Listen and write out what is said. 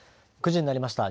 ９時になりました。